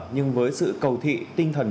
nhưng với sự cầu thị tinh thần